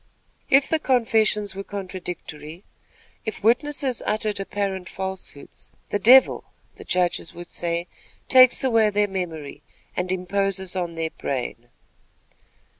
If the confessions were contradictory; if witnesses uttered apparent falsehoods, 'the Devil,' the judges would say, 'takes away their memory, and imposes on their brain.'"